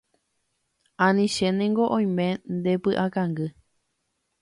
Anichénengo oime ndepy'akangy.